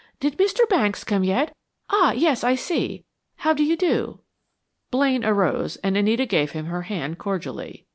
"Did Mr. Banks come yet? ah, yes, I see. How do you do?" Blaine arose, and Anita gave him her hand cordially.